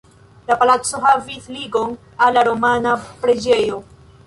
La palaco havis ligon al la romana preĝejo.